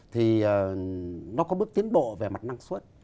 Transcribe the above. thì nó có bước tiến bộ về mặt năng suất